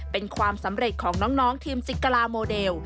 เป็นความสำเร็จของน้องทีมสิกลาโมเดล